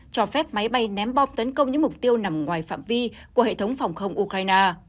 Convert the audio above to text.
cho phép máy bay ném bom tấn công những mục tiêu nằm ngoài phạm vi của hệ thống phòng không ukraine